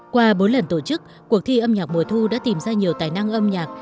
qua bốn lần tổ chức cuộc thi âm nhạc mùa thu đã tìm ra nhiều tài năng âm nhạc